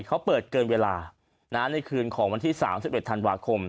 เขาเปิดเกินเวลานะฮะในคืนของวันที่สามสิบเอ็ดธันวาคม